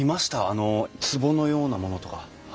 あのつぼのようなものとか。